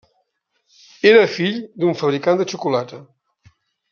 Era fill d'un fabricant de xocolata.